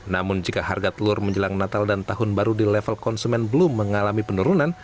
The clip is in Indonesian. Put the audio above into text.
namun jika harga telur menjelang natal dan tahun baru di level konsumen belum mengalami penurunan